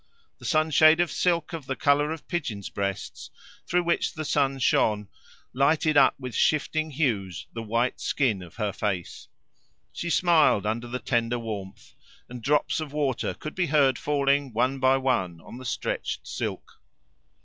The sunshade of silk of the colour of pigeons' breasts, through which the sun shone, lighted up with shifting hues the white skin of her face. She smiled under the tender warmth, and drops of water could be heard falling one by one on the stretched silk.